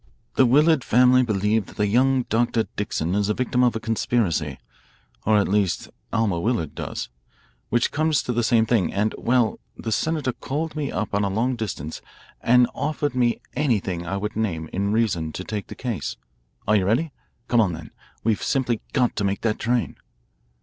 The Willard family believe that that young Dr. Dixon is the victim of a conspiracy or at least Alma Willard does, which comes to the same thing, and well, the senator called me up on long distance and offered me anything I would name in reason to take the case. Are you ready? Come on, then. We've simply got to make that train."